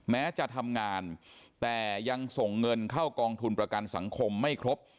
แม้จะทำงานแต่ยังส่งเงินเข้ากองทุนประกันสังคมไม่ครบ